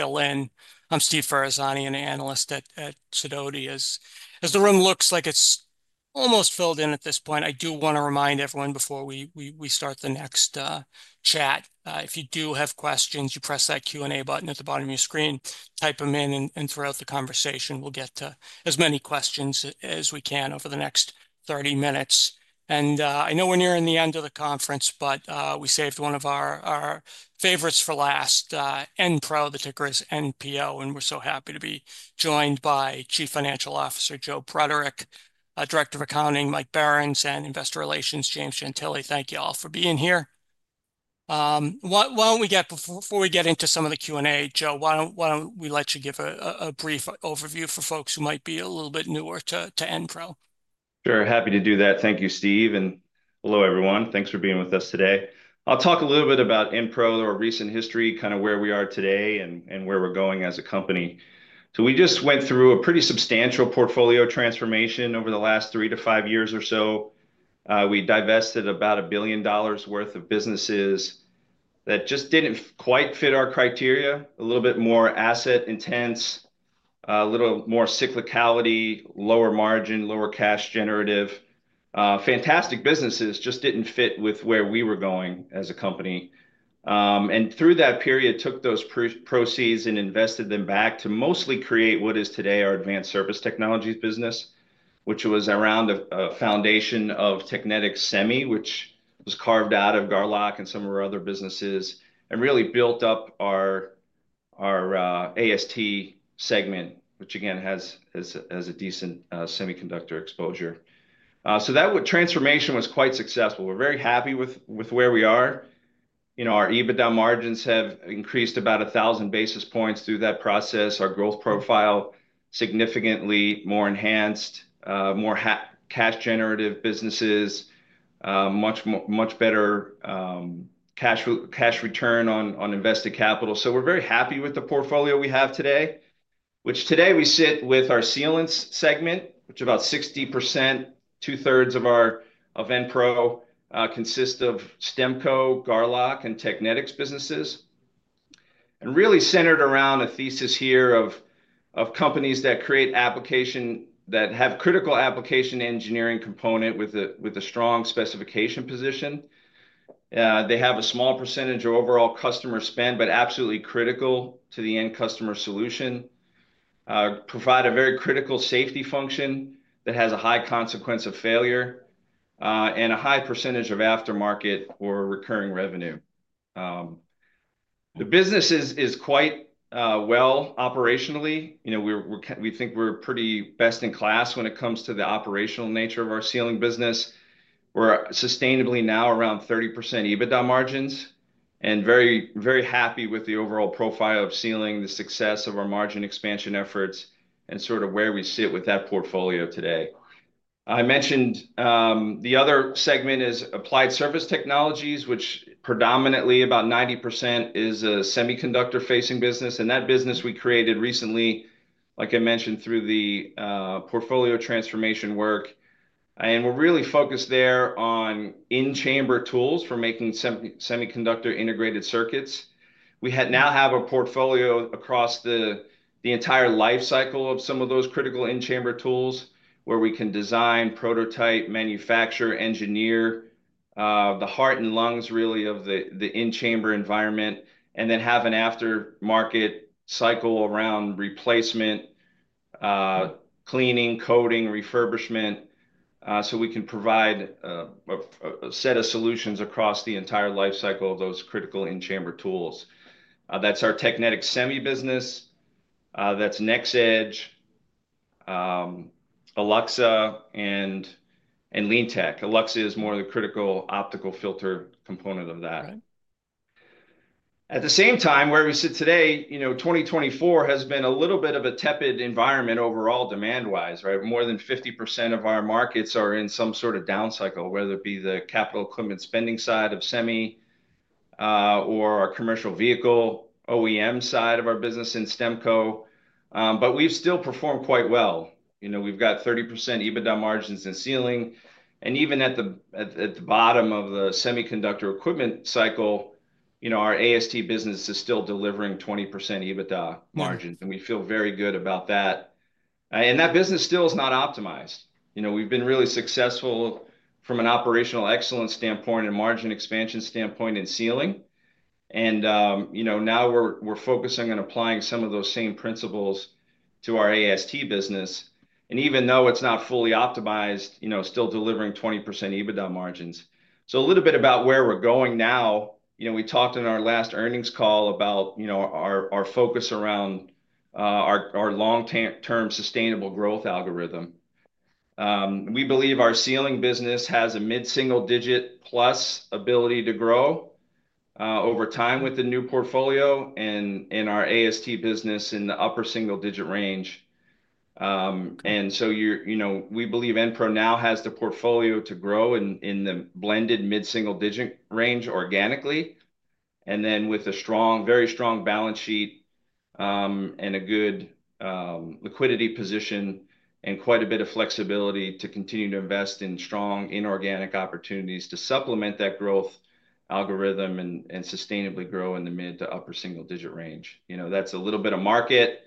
I'm Steve Ferazani, an analyst at Sidoti. As the room looks like it's almost filled in at this point, I do want to remind everyone before we start the next chat, if you do have questions, you press that Q and A button at the bottom of your screen, type them in, and throughout the conversation, we'll get to as many questions as we can over the next 30 minutes, and I know we're nearing the end of the conference, but we saved one of our favorites for last, Enpro, the ticker is NPO, and we're so happy to be joined by Chief Financial Officer Joe Bruderek, Director of Accounting Mike Barron, and Investor Relations James Gentile. Thank you all for being here. Why don't we get before we get into some of the Q and A, Joe? Why don't we let you give a brief overview for folks who might be a little bit newer to Enpro? Sure, happy to do that. Thank you, Steve, and hello everyone. Thanks for being with us today. I'll talk a little bit about Enpro's recent history, kind of where we are today and where we're going as a company. So we just went through a pretty substantial portfolio transformation over the last three to five years or so. We divested about $1 billion worth of businesses that just didn't quite fit our criteria, a little bit more asset intense, a little more cyclicality, lower margin, lower cash generative. Fantastic businesses just didn't fit with where we were going as a company. And through that period, took those proceeds and invested them back to mostly create what is today our Advanced Surface Technologies business, which was around a foundation of Technetics Semi, which was carved out of Garlock and some of our other businesses, and really built up our AST segment, which again has a decent semiconductor exposure. So that transformation was quite successful. We're very happy with where we are. Our EBITDA margins have increased about 1,000 basis points through that process, our growth profile significantly more enhanced, more cash generative businesses, much better cash return on invested capital. So we're very happy with the portfolio we have today, which today we sit with our sealing segment, which about 60%, two-thirds of our Enpro consists of Stemco, Garlock, and Technetics businesses, and really centered around a thesis here of companies that create application that have critical application engineering component with a strong specification position. They have a small percentage of overall customer spend, but absolutely critical to the end customer solution, provide a very critical safety function that has a high consequence of failure, and a high percentage of aftermarket or recurring revenue. The business is quite well operationally. We think we're pretty best in class when it comes to the operational nature of our sealing business. We're sustainably now around 30% EBITDA margins and very happy with the overall profile of sealing, the success of our margin expansion efforts, and sort of where we sit with that portfolio today. I mentioned the other segment is Advanced Surface Technologies, which predominantly about 90% is a semiconductor facing business. That business we created recently, like I mentioned, through the portfolio transformation work, and we're really focused there on in-chamber tools for making semiconductor integrated circuits. We now have a portfolio across the entire life cycle of some of those critical in-chamber tools where we can design, prototype, manufacture, engineer the heart and lungs really of the in-chamber environment, and then have an aftermarket cycle around replacement, cleaning, coating, refurbishment, so we can provide a set of solutions across the entire life cycle of those critical in-chamber tools. That's our Technetics Semi business. That's NxEdge, Alluxa, and LeanTeq. Alluxa is more of the critical optical filter component of that. At the same time, where we sit today, 2024 has been a little bit of a tepid environment overall demand-wise, right? More than 50% of our markets are in some sort of down cycle, whether it be the capital equipment spending side of Semi or our commercial vehicle OEM side of our business in Stemco. But we've still performed quite well. We've got 30% EBITDA margins in sealing. And even at the bottom of the semiconductor equipment cycle, our AST business is still delivering 20% EBITDA margins, and we feel very good about that. And that business still is not optimized. We've been really successful from an operational excellence standpoint and margin expansion standpoint in sealing. And now we're focusing on applying some of those same principles to our AST business. And even though it's not fully optimized, still delivering 20% EBITDA margins. So a little bit about where we're going now. We talked in our last earnings call about our focus around our long-term sustainable growth algorithm. We believe our sealing business has a mid-single-digit plus ability to grow over time with the new portfolio and our AST business in the upper single-digit range. And so we believe Enpro now has the portfolio to grow in the blended mid-single-digit range organically, and then with a strong, very strong balance sheet and a good liquidity position and quite a bit of flexibility to continue to invest in strong inorganic opportunities to supplement that growth algorithm and sustainably grow in the mid- to upper-single-digit range. That's a little bit of market,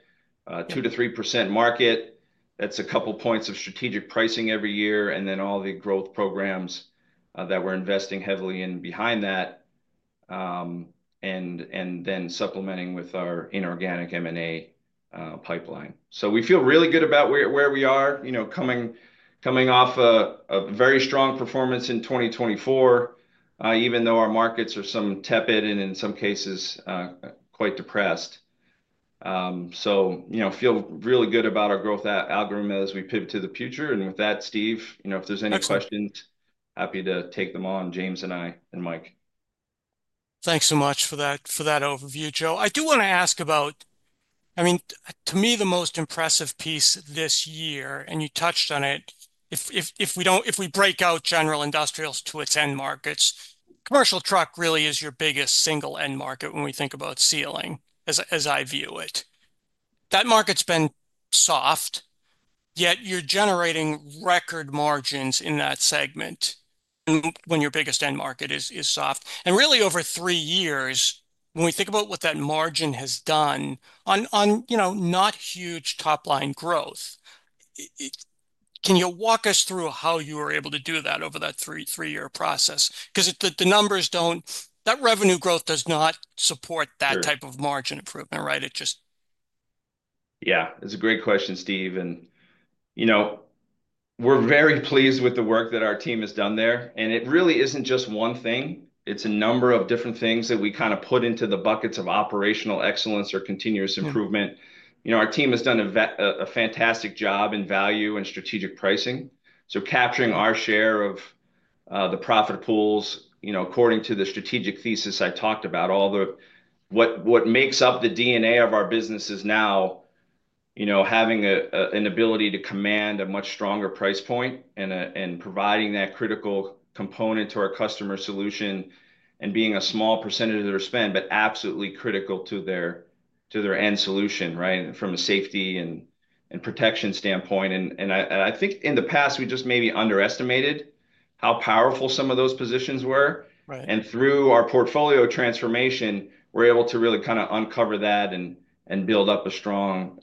2%-3% market. That's a couple of points of strategic pricing every year, and then all the growth programs that we're investing heavily in behind that, and then supplementing with our inorganic M&A pipeline. So we feel really good about where we are, coming off a very strong performance in 2024, even though our markets are some tepid and in some cases quite depressed. So feel really good about our growth algorithm as we pivot to the future. And with that, Steve, if there's any questions, happy to take them on, James and I and Mike. Thanks so much for that overview, Joe. I do want to ask about, I mean, to me, the most impressive piece this year, and you touched on it, if we break out general industrials to its end markets, commercial truck really is your biggest single end market when we think about sealing, as I view it. That market's been soft, yet you're generating record margins in that segment when your biggest end market is soft. And really, over three years, when we think about what that margin has done on not huge top-line growth, can you walk us through how you were able to do that over that three-year process? Because the numbers don't, that revenue growth does not support that type of margin improvement, right? It just. Yeah, it's a great question, Steve. And we're very pleased with the work that our team has done there. And it really isn't just one thing. It's a number of different things that we kind of put into the buckets of operational excellence or continuous improvement. Our team has done a fantastic job in value and strategic pricing. So capturing our share of the profit pools, according to the strategic thesis I talked about, all the what makes up the DNA of our business is now having an ability to command a much stronger price point and providing that critical component to our customer solution and being a small percentage of their spend, but absolutely critical to their end solution, right, from a safety and protection standpoint. And I think in the past, we just maybe underestimated how powerful some of those positions were. And through our portfolio transformation, we're able to really kind of uncover that and build up a strong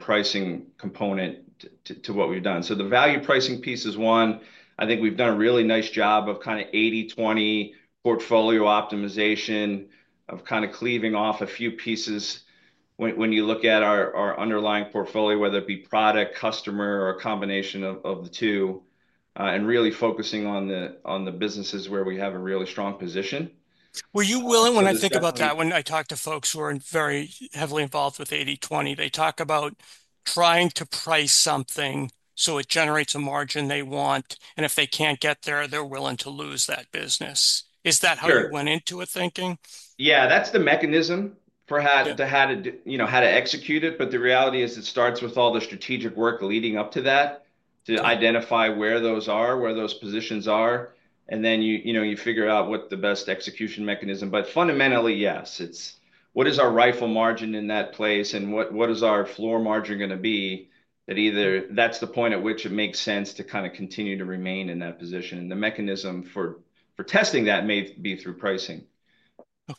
pricing component to what we've done. So the value pricing piece is one. I think we've done a really nice job of kind of 80/20 portfolio optimization, of kind of cleaving off a few pieces when you look at our underlying portfolio, whether it be product, customer, or a combination of the two, and really focusing on the businesses where we have a really strong position. Were you willing, when I think about that, when I talk to folks who are very heavily involved with 80/20, they talk about trying to price something so it generates a margin they want, and if they can't get there, they're willing to lose that business. Is that how you went into it thinking? Yeah, that's the mechanism for how to execute it. But the reality is it starts with all the strategic work leading up to that to identify where those are, where those positions are, and then you figure out what the best execution mechanism. But fundamentally, yes. It's what is our right margin in that place, and what is our floor margin going to be that either that's the point at which it makes sense to kind of continue to remain in that position. And the mechanism for testing that may be through pricing.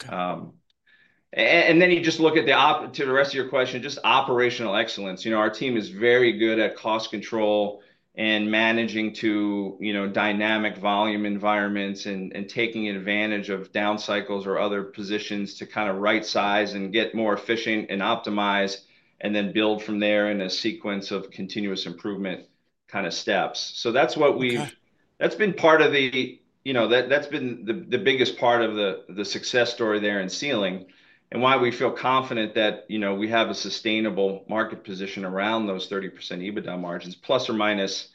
And then you just look at the rest of your question, just operational excellence. Our team is very good at cost control and managing to dynamic volume environments and taking advantage of down cycles or other positions to kind of right size and get more efficient and optimize, and then build from there in a sequence of continuous improvement kind of steps, so that's what we've been. That's been the biggest part of the success story there in sealing and why we feel confident that we have a sustainable market position around those 30% EBITDA margins, plus or minus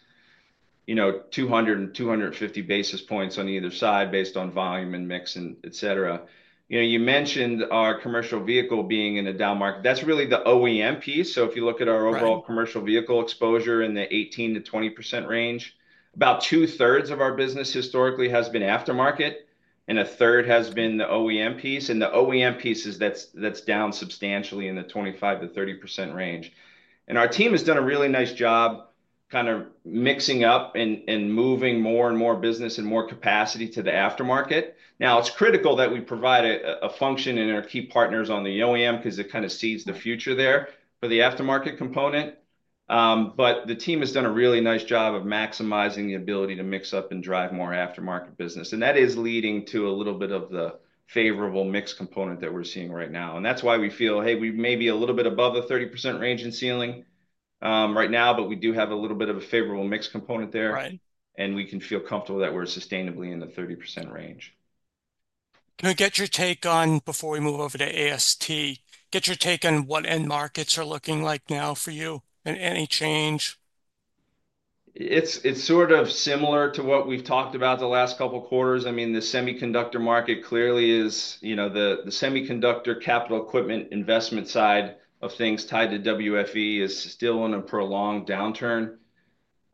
200-250 basis points on either side based on volume and mix, etc. You mentioned our commercial vehicle being in a down market. That's really the OEM piece. If you look at our overall commercial vehicle exposure in the 18%-20% range, about two-thirds of our business historically has been aftermarket, and a third has been the OEM piece. And the OEM piece, that's down substantially in the 25%-30% range. And our team has done a really nice job kind of mixing up and moving more and more business and more capacity to the aftermarket. Now, it's critical that we provide a function in our key partners on the OEM because it kind of seeds the future there for the aftermarket component. But the team has done a really nice job of maximizing the ability to mix up and drive more aftermarket business. And that is leading to a little bit of the favorable mix component that we're seeing right now. That's why we feel, hey, we may be a little bit above the 30% range in Sealing right now, but we do have a little bit of a favorable mix component there, and we can feel comfortable that we're sustainably in the 30% range. Can I get your take on, before we move over to AST, get your take on what end markets are looking like now for you and any change? It's sort of similar to what we've talked about the last couple of quarters. I mean, the semiconductor market clearly is the semiconductor capital equipment investment side of things tied to WFE is still in a prolonged downturn.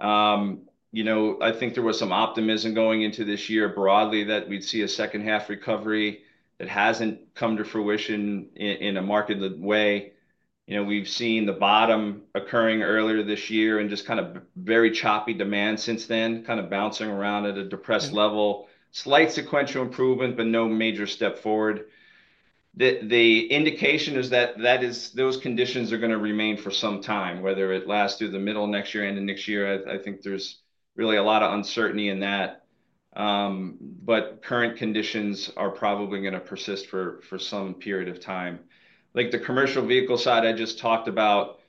I think there was some optimism going into this year broadly that we'd see a second-half recovery that hasn't come to fruition in a marked way. We've seen the bottom occurring earlier this year and just kind of very choppy demand since then kind of bouncing around at a depressed level. Slight sequential improvement, but no major step forward. The indication is that those conditions are going to remain for some time, whether it lasts through the middle of next year and next year. I think there's really a lot of uncertainty in that. But current conditions are probably going to persist for some period of time. Like the commercial vehicle side I just talked about,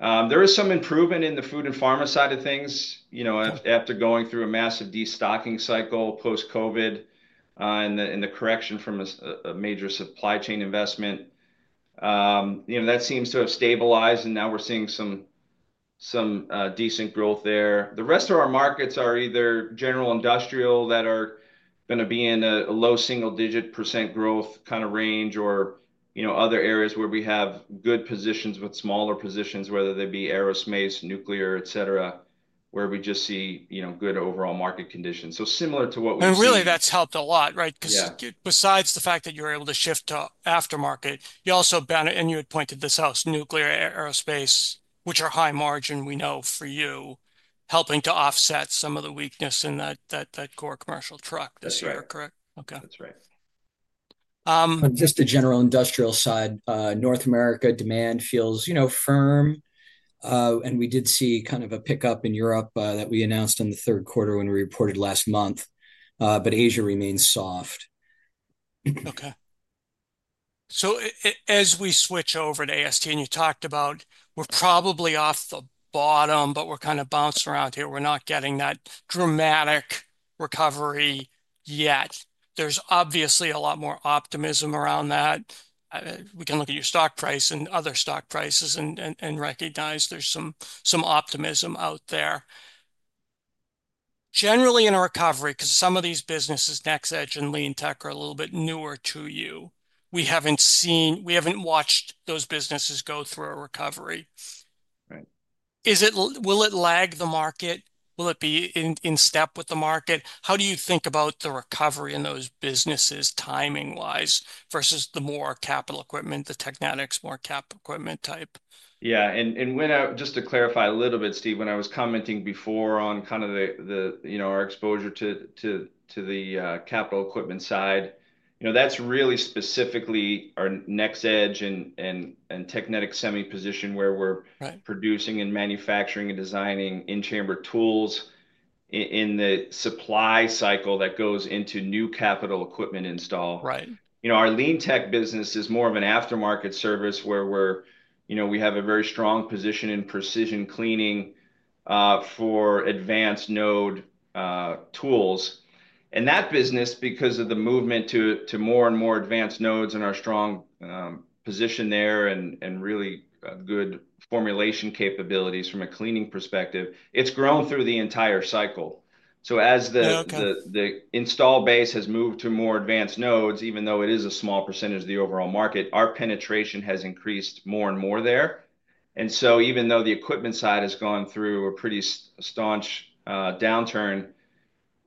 there is some improvement in the food and pharma side of things after going through a massive destocking cycle post-COVID and the correction from a major supply chain investment. That seems to have stabilized, and now we're seeing some decent growth there. The rest of our markets are either general industrial that are going to be in a low single digit percent growth kind of range or other areas where we have good positions with smaller positions, whether they be aerospace, nuclear, etc., where we just see good overall market conditions, so similar to what we've seen. Really, that's helped a lot, right? Because besides the fact that you were able to shift to aftermarket, you also found, and you had pointed this out, nuclear, aerospace, which are high-margin, we know for you, helping to offset some of the weakness in that core commercial truck. That's right. Is that correct? Okay. That's right. Just the general industrial side, North America demand feels firm, and we did see kind of a pickup in Europe that we announced in the third quarter when we reported last month, but Asia remains soft. Okay, so as we switch over to AST, and you talked about we're probably off the bottom, but we're kind of bouncing around here. We're not getting that dramatic recovery yet. There's obviously a lot more optimism around that. We can look at your stock price and other stock prices and recognize there's some optimism out there. Generally, in a recovery, because some of these businesses, NxEdge and LeanTeq, are a little bit newer to you, we haven't seen, we haven't watched those businesses go through a recovery. Will it lag the market? Will it be in step with the market? How do you think about the recovery in those businesses timing-wise versus the more capital equipment, the Technetics, more capital equipment type? Yeah. And just to clarify a little bit, Steve, when I was commenting before on kind of our exposure to the capital equipment side, that's really specifically our NxEdge and Technetics Semi position where we're producing and manufacturing and designing in-chamber tools in the supply cycle that goes into new capital equipment install. Our LeanTeq business is more of an aftermarket service where we have a very strong position in precision cleaning for advanced node tools. And that business, because of the movement to more and more advanced nodes and our strong position there and really good formulation capabilities from a cleaning perspective, it's grown through the entire cycle. So as the install base has moved to more advanced nodes, even though it is a small percentage of the overall market, our penetration has increased more and more there. And so even though the equipment side has gone through a pretty staunch downturn,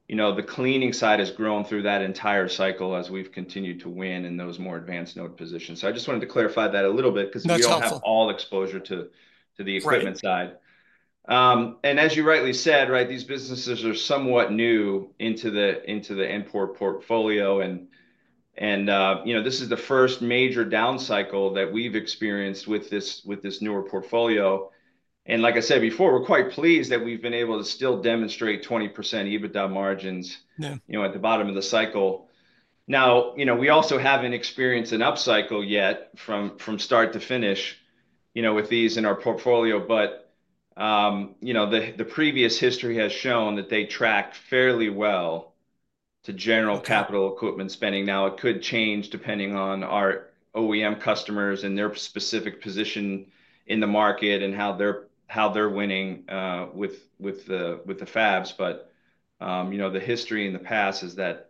the cleaning side has grown through that entire cycle as we've continued to win in those more advanced node positions. So I just wanted to clarify that a little bit because we all have all exposure to the equipment side. And as you rightly said, right, these businesses are somewhat new into the Enpro portfolio. And this is the first major down cycle that we've experienced with this newer portfolio. And like I said before, we're quite pleased that we've been able to still demonstrate 20% EBITDA margins at the bottom of the cycle. Now, we also haven't experienced an up cycle yet from start to finish with these in our portfolio. But the previous history has shown that they track fairly well to general capital equipment spending. Now, it could change depending on our OEM customers and their specific position in the market and how they're winning with the fabs. But the history in the past is that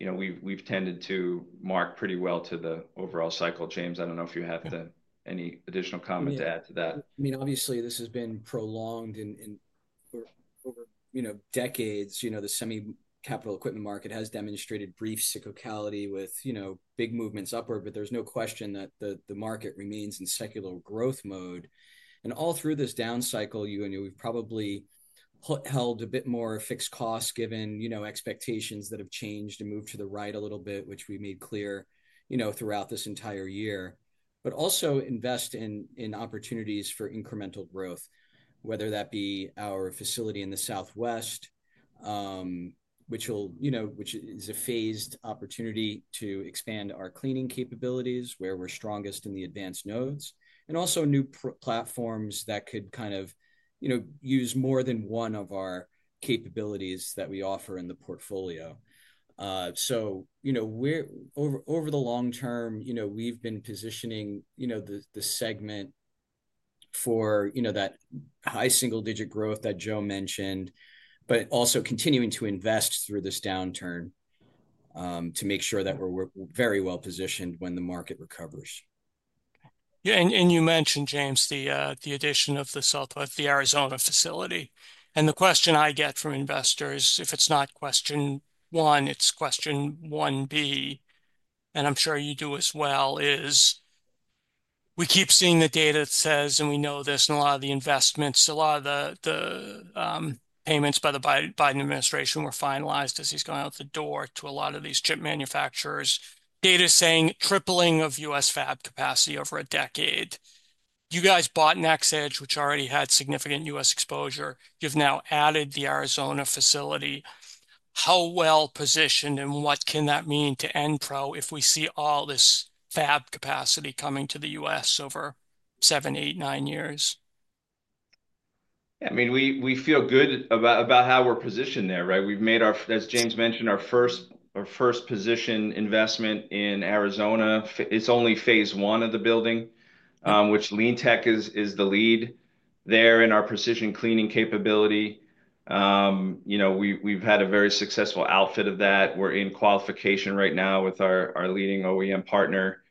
we've tended to track pretty well to the overall cycle. James, I don't know if you have any additional comment to add to that. I mean, obviously, this has been prolonged in decades. The semi capital equipment market has demonstrated brief cyclicality with big movements upward, but there's no question that the market remains in cyclical growth mode. All through this down cycle, we've probably held a bit more fixed costs given expectations that have changed and moved to the right a little bit, which we made clear throughout this entire year, but also invest in opportunities for incremental growth, whether that be our facility in the Southwest, which is a phased opportunity to expand our cleaning capabilities where we're strongest in the advanced nodes, and also new platforms that could kind of use more than one of our capabilities that we offer in the portfolio. So, over the long term, we've been positioning the segment for that high single-digit growth that Joe mentioned, but also continuing to invest through this downturn to make sure that we're very well positioned when the market recovers. Yeah. And you mentioned, James, the addition of the Southwest, the Arizona facility. And the question I get from investors, if it's not question one, it's question 1B, and I'm sure you do as well, is we keep seeing the data that says, and we know this, and a lot of the investments, a lot of the payments by the Biden administration were finalized as he's going out the door to a lot of these chip manufacturers. Data saying tripling of U.S. fab capacity over a decade. You guys bought NxEdge, which already had significant U.S. exposure. You've now added the Arizona facility. How well positioned and what can that mean to Enpro if we see all this fab capacity coming to the U.S. over seven, eight, nine years? Yeah. I mean, we feel good about how we're positioned there, right? We've made our, as James mentioned, our first position investment in Arizona. It's only phase one of the building, which LeanTeq is the lead there in our precision cleaning capability. We've had a very successful outfit of that. We're in qualification right now with our leading OEM partner.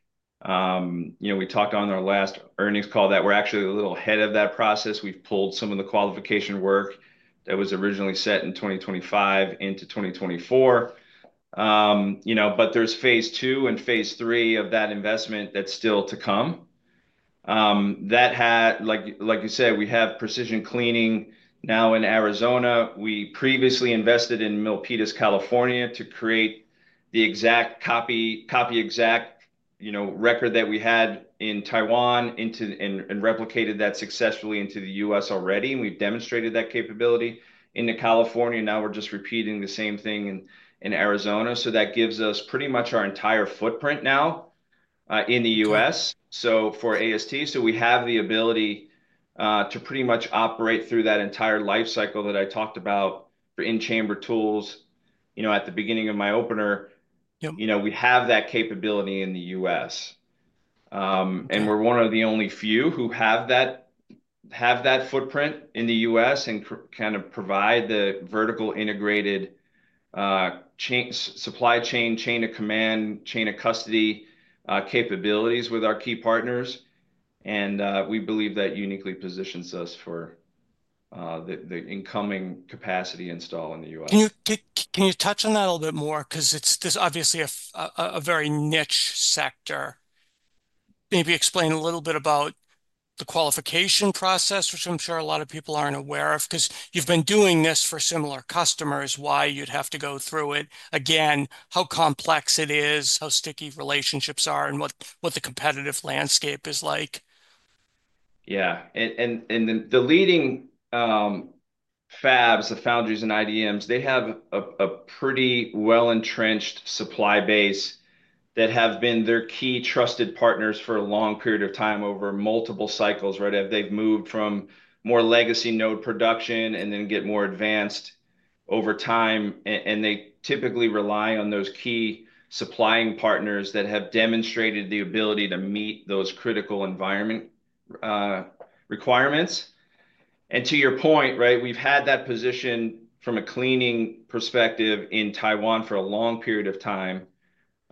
We talked on our last earnings call that we're actually a little ahead of that process. We've pulled some of the qualification work that was originally set in 2025 into 2024. But there's phase two and phase three of that investment that's still to come. Like you said, we have precision cleaning now in Arizona. We previously invested in Milpitas, California to create the exact Copy Exact record that we had in Taiwan and replicated that successfully into the US already. And we've demonstrated that capability into California. Now we're just repeating the same thing in Arizona, so that gives us pretty much our entire footprint now in the U.S. So for AST, so we have the ability to pretty much operate through that entire life cycle that I talked about in chamber tools at the beginning of my opener. We have that capability in the U.S., and we're one of the only few who have that footprint in the U.S. and kind of provide the vertically integrated supply chain, chain of command, chain of custody capabilities with our key partners, and we believe that uniquely positions us for the incoming capacity install in the U.S. Can you touch on that a little bit more? Because it's obviously a very niche sector. Maybe explain a little bit about the qualification process, which I'm sure a lot of people aren't aware of because you've been doing this for similar customers, why you'd have to go through it. Again, how complex it is, how sticky relationships are, and what the competitive landscape is like? Yeah. And the leading fabs, the foundries and IDMs, they have a pretty well-entrenched supply base that have been their key trusted partners for a long period of time over multiple cycles, right? They've moved from more legacy node production and then get more advanced over time. And they typically rely on those key supplying partners that have demonstrated the ability to meet those critical environment requirements. And to your point, right, we've had that position from a cleaning perspective in Taiwan for a long period of time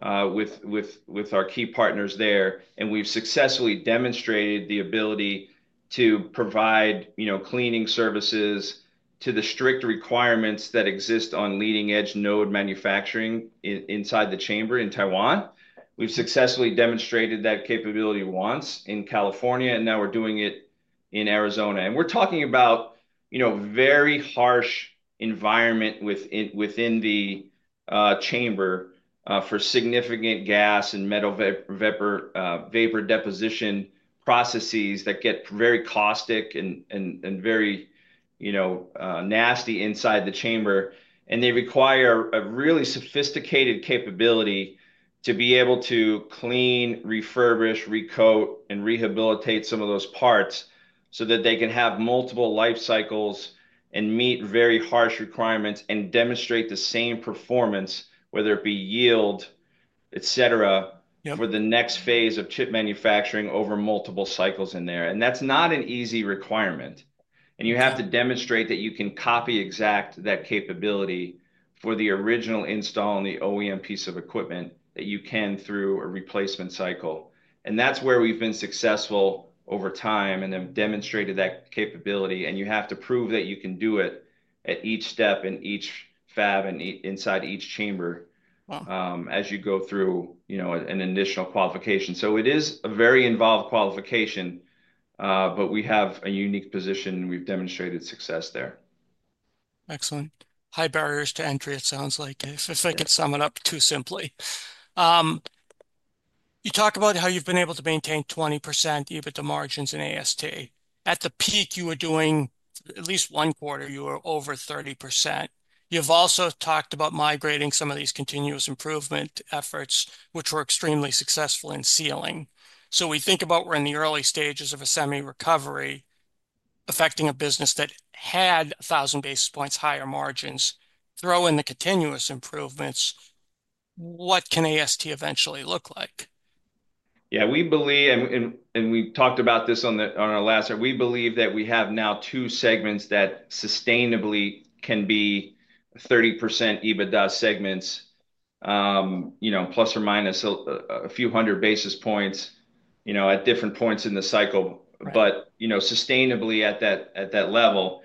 with our key partners there. And we've successfully demonstrated the ability to provide cleaning services to the strict requirements that exist on leading-edge node manufacturing inside the chamber in Taiwan. We've successfully demonstrated that capability once in California, and now we're doing it in Arizona. We're talking about a very harsh environment within the chamber for significant gas and metal vapor deposition processes that get very caustic and very nasty inside the chamber. They require a really sophisticated capability to be able to clean, refurbish, recoat, and rehabilitate some of those parts so that they can have multiple life cycles and meet very harsh requirements and demonstrate the same performance, whether it be yield, etc., for the next phase of chip manufacturing over multiple cycles in there. That's not an easy requirement. You have to demonstrate that you can copy exact that capability for the original install on the OEM piece of equipment that you can through a replacement cycle. That's where we've been successful over time and have demonstrated that capability. And you have to prove that you can do it at each step and each fab and inside each chamber as you go through an initial qualification. So it is a very involved qualification, but we have a unique position. We've demonstrated success there. Excellent. High barriers to entry, it sounds like, if I could sum it up too simply. You talk about how you've been able to maintain 20% EBITDA margins in AST. At the peak, you were doing at least one quarter, you were over 30%. You've also talked about migrating some of these continuous improvement efforts, which were extremely successful in sealing. So we think about we're in the early stages of a semi-recovery affecting a business that had 1,000 basis points higher margins, throw in the continuous improvements. What can AST eventually look like? Yeah. And we talked about this on our last. We believe that we have now two segments that sustainably can be 30% EBITDA segments, plus or minus a few hundred basis points at different points in the cycle, but sustainably at that level.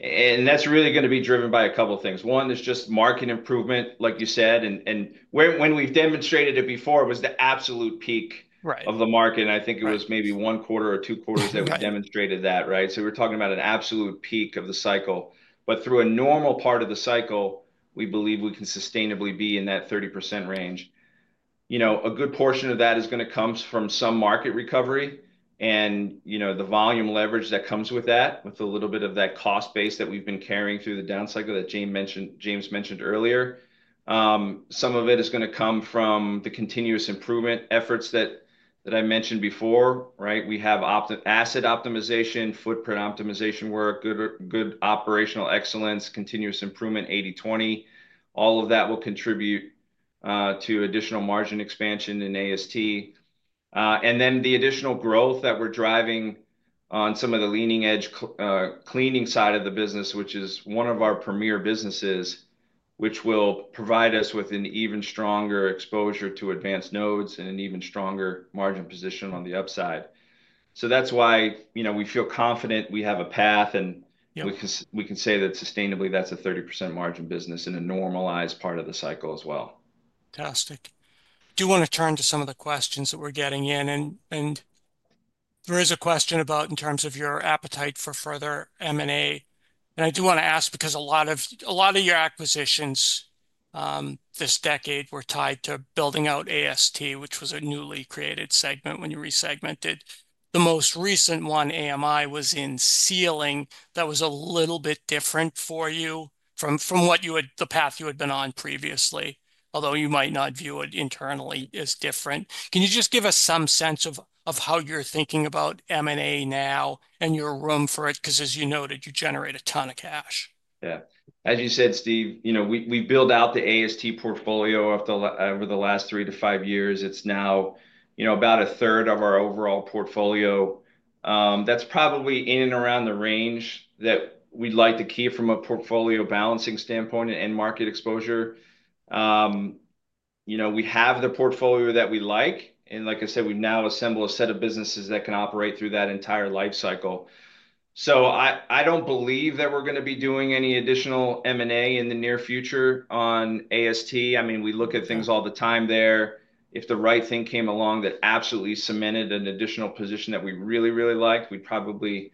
And that's really going to be driven by a couple of things. One is just market improvement, like you said. And when we've demonstrated it before, it was the absolute peak of the market. And I think it was maybe one quarter or two quarters that we demonstrated that, right? So we're talking about an absolute peak of the cycle. But through a normal part of the cycle, we believe we can sustainably be in that 30% range. A good portion of that is going to come from some market recovery and the volume leverage that comes with that, with a little bit of that cost base that we've been carrying through the down cycle that James mentioned earlier. Some of it is going to come from the continuous improvement efforts that I mentioned before, right? We have asset optimization, footprint optimization work, good operational excellence, continuous improvement, 80/20. All of that will contribute to additional margin expansion in AST. And then the additional growth that we're driving on some of the leading-edge cleaning side of the business, which is one of our premier businesses, which will provide us with an even stronger exposure to advanced nodes and an even stronger margin position on the upside. So that's why we feel confident we have a path. We can say that sustainably, that's a 30% margin business in a normalized part of the cycle as well. Fantastic. Do you want to turn to some of the questions that we're getting in? There is a question about in terms of your appetite for further M&A. I do want to ask because a lot of your acquisitions this decade were tied to building out AST, which was a newly created segment when you resegmented. The most recent one, AMI, was in sealing. That was a little bit different for you from the path you had been on previously, although you might not view it internally as different. Can you just give us some sense of how you're thinking about M&A now and your room for it? Because as you noted, you generate a ton of cash. Yeah. As you said, Steve, we built out the AST portfolio over the last three to five years. It's now about a third of our overall portfolio. That's probably in and around the range that we'd like to keep from a portfolio balancing standpoint and market exposure. We have the portfolio that we like, and like I said, we now assemble a set of businesses that can operate through that entire life cycle, so I don't believe that we're going to be doing any additional M&A in the near future on AST. I mean, we look at things all the time there. If the right thing came along that absolutely cemented an additional position that we really, really liked, we'd probably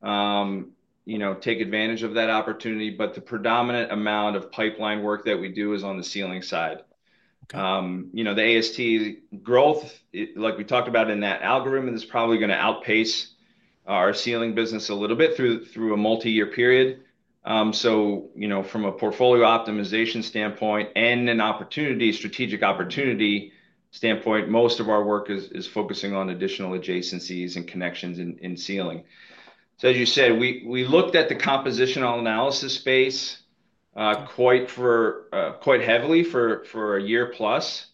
take advantage of that opportunity, but the predominant amount of pipeline work that we do is on the sealing side. The AST growth, like we talked about in that algorithm, is probably going to outpace our sealing business a little bit through a multi-year period. So from a portfolio optimization standpoint and a strategic opportunity standpoint, most of our work is focusing on additional adjacencies and connections in sealing. So as you said, we looked at the compositional analysis space quite heavily for a year plus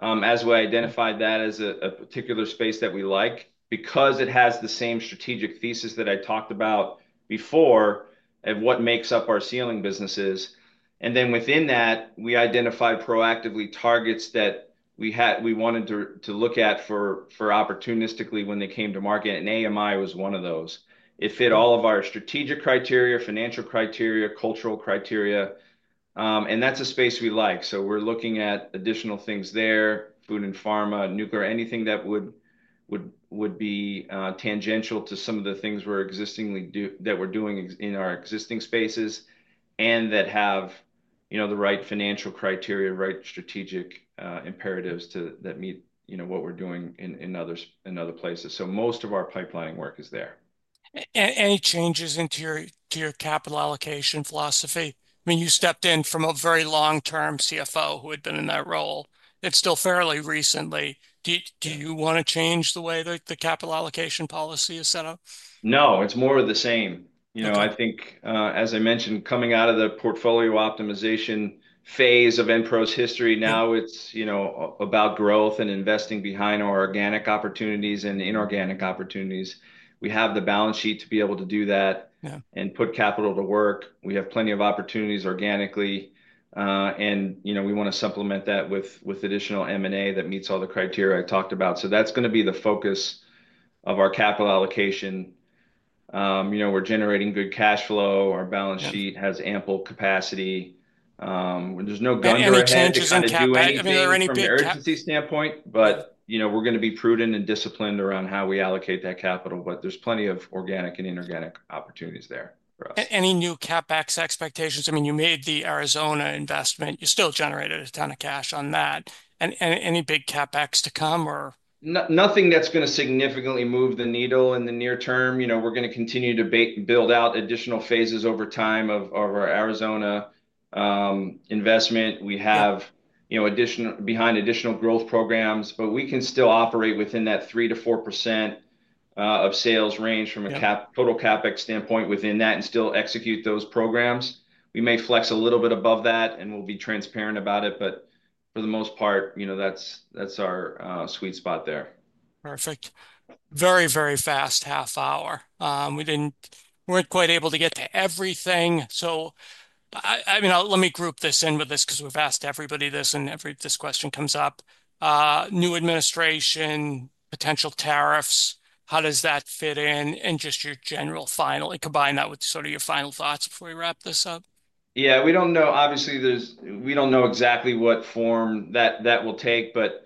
as we identified that as a particular space that we like because it has the same strategic thesis that I talked about before of what makes up our sealing businesses. And then within that, we identified proactively targets that we wanted to look at for opportunistically when they came to market. And AMI was one of those. It fit all of our strategic criteria, financial criteria, cultural criteria. And that's a space we like. So we're looking at additional things there, food and pharma, nuclear, anything that would be tangential to some of the things that we're doing in our existing spaces and that have the right financial criteria, right strategic imperatives that meet what we're doing in other places. So most of our pipeline work is there. Any changes to your capital allocation philosophy? I mean, you stepped in from a very long-term CFO who had been in that role until fairly recently. Do you want to change the way that the capital allocation policy is set up? No. It's more of the same. I think, as I mentioned, coming out of the portfolio optimization phase of Enpro's history, now it's about growth and investing behind our organic opportunities and inorganic opportunities. We have the balance sheet to be able to do that and put capital to work. We have plenty of opportunities organically. And we want to supplement that with additional M&A that meets all the criteria I talked about. So that's going to be the focus of our capital allocation. We're generating good cash flow. Our balance sheet has ample capacity. There's no gun to our cash flow. Any exchanges on that? Not from an emergency standpoint, but we're going to be prudent and disciplined around how we allocate that capital. But there's plenty of organic and inorganic opportunities there for us. Any new CapEx expectations? I mean, you made the Arizona investment. You still generated a ton of cash on that. And any big CapEx to come or? Nothing that's going to significantly move the needle in the near term. We're going to continue to build out additional phases over time of our Arizona investment. We have behind additional growth programs, but we can still operate within that 3%-4% of sales range from a total CapEx standpoint within that and still execute those programs. We may flex a little bit above that, and we'll be transparent about it. But for the most part, that's our sweet spot there. Perfect. Very, very fast half hour. We weren't quite able to get to everything. So I mean, let me group this in with this because we've asked everybody this and this question comes up. New administration, potential tariffs, how does that fit in? And just your general final, combine that with sort of your final thoughts before we wrap this up? Yeah. We don't know. Obviously, we don't know exactly what form that will take, but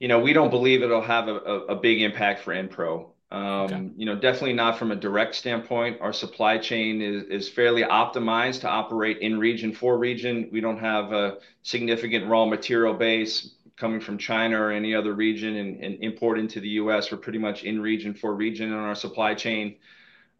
we don't believe it'll have a big impact for Enpro. Definitely not from a direct standpoint. Our supply chain is fairly optimized to operate in region for region. We don't have a significant raw material base coming from China or any other region and import into the US. We're pretty much in region for region on our supply chain.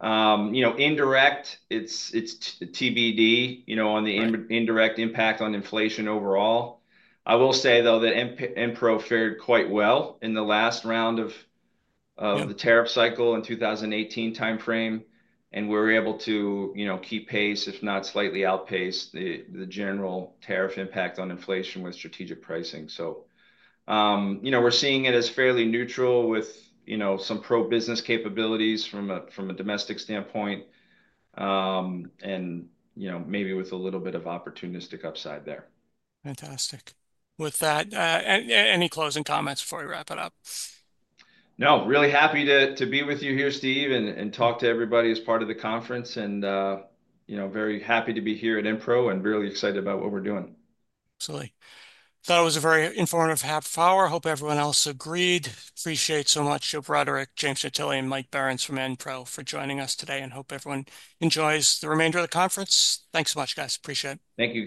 Indirect, it's TBD on the indirect impact on inflation overall. I will say, though, that Enpro fared quite well in the last round of the tariff cycle in 2018 timeframe. And we were able to keep pace, if not slightly outpace the general tariff impact on inflation with strategic pricing. So we're seeing it as fairly neutral with some pro-business capabilities from a domestic standpoint and maybe with a little bit of opportunistic upside there. Fantastic. With that, any closing comments before we wrap it up? No. Really happy to be with you here, Steve, and talk to everybody as part of the conference, and very happy to be here at Enpro and really excited about what we're doing. Absolutely. Thought it was a very informative half hour. Hope everyone else agreed. Appreciate so much Joe Bruderek, James Gentile, and Mike Barron from Enpro for joining us today and hope everyone enjoys the remainder of the conference. Thanks so much, guys. Appreciate it. Thank you.